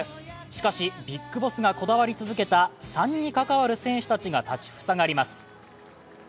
しかし、ＢＩＧＢＯＳＳがこだわり続けた３に関わる選手たちが立ち塞がります。